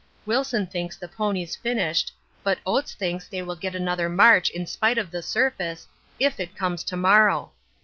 Wilson thinks the ponies finished,_21_ but Oates thinks they will get another march in spite of the surface, if it comes to morrow.